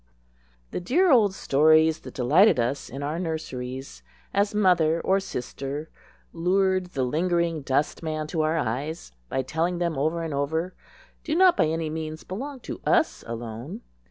* The dear old stories that delighted us in our nurseries as mother or sister lured the lingering dustman to our eyes by telling them over and over, do not by any means belong to us alone.